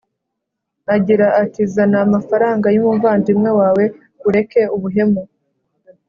agira ati: “Zana amafaranga y’umuvandimwe wawe ureke ubuhemu.”